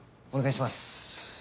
お願いします。